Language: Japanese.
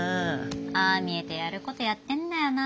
ああ見えてやることやってんだよな。